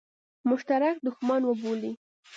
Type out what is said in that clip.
مشترک دښمن وبولي.